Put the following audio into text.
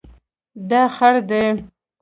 دا خړ دی